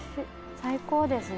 最高ですね。